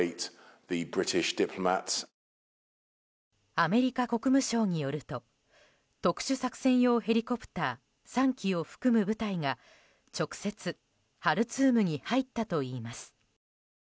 アメリカ国務省によると特殊作戦用ヘリコプター３機を含む部隊が直接ハルツームに入ったといいます。